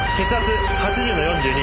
血圧８４の４０。